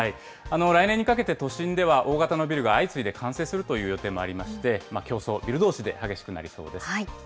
来年にかけて、都心では大型のビルが相次いで完成するという予定もありまして、競争、ビルどうしで激しくなりそうです。